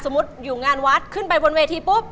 อยู่งานวัดขึ้นไปบนเวทีปุ๊บ